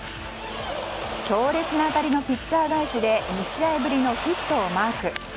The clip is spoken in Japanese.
強烈な当たりのピッチャー返しで２位試合ぶりのヒットをマーク。